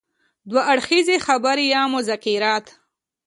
دوه اړخیزه خبرې يا مذاکرات.